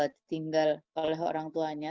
ditinggal oleh orang tuanya